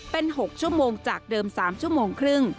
เป็น๖ชั่วโมงจากเดิม๓ชั่วโมงครึ่ง